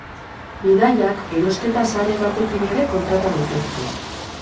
Bidaiak erosketa sare batekin ere kontrata daitezke.